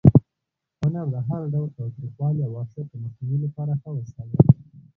هنر د هر ډول تاوتریخوالي او وحشت د مخنیوي لپاره ښه وسله ده.